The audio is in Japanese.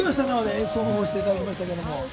演奏していただきましたけれども。